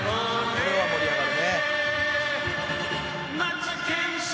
「これは盛り上がる」